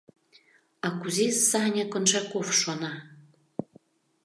— А кузе Саня Коншаков шона?